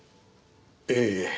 ええ。